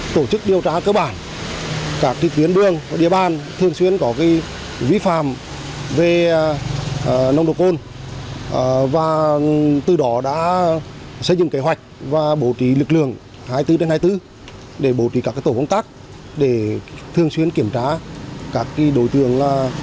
tổ chức điều tra cơ bản các tuyến đường địa bàn thường xuyên có vi phạm về nồng độ côn và từ đó đã xây dựng kế hoạch và bổ trí lực lượng hai mươi bốn trên hai mươi bốn để bổ trí các tổ công tác để thường xuyên kiểm tra các đối tượng